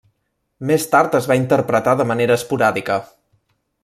Més tard es va interpretar de manera esporàdica.